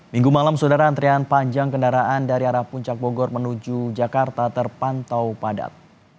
minggu malam saudara antrian panjang kendaraan dari arah puncak bogor menuju jakarta terpantau padat